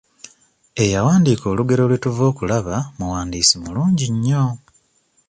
Eyawandiika olugero lwe tuva okulaba muwandiisi mulungi nnyo.